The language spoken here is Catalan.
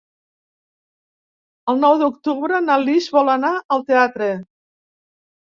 El nou d'octubre na Lis vol anar al teatre.